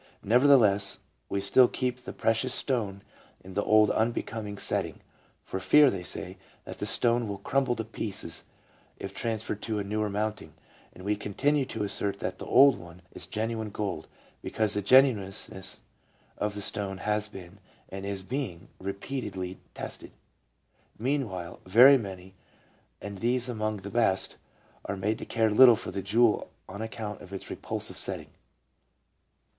Nevertheless we still keep the precious stone in the old unbecoming setting, for fear, they say, that the stone will crumble to pieces if transferred to a newer mounting, and we continue to assert that the old one is genuine gold, be cause the genuineness of the stone has been, and is being, re peatedly tested. Meanwhile, very many, and these among the best, are made to care little for the jewel on account of its repulsive setting.